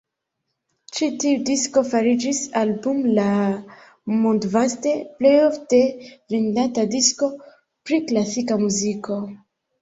Ĉi tiu disko fariĝis Album la mondvaste plejofte vendata disko pri klasika muziko.